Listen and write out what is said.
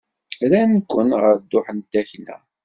Rran-ken ɣer dduḥ n takna.